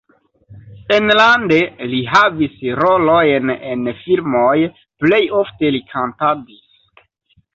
Enlande li havis rolojn en filmoj, plej ofte li kantadis.